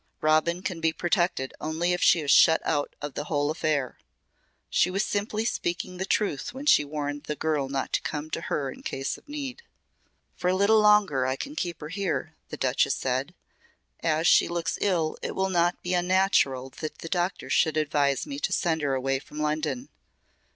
Robin can be protected only if she is shut out of the whole affair. She was simply speaking the truth when she warned the girl not to come to her in case of need." "For a little longer I can keep her here," the Duchess said. "As she looks ill it will not be unnatural that the doctor should advise me to send her away from London.